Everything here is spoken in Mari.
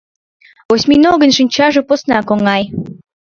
Осьминогын шинчаже поснак оҥай.